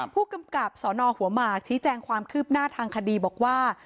ผู้กำกับสนหัวหมากชี้แจงความคืบหน้าทางคดีบอกว่า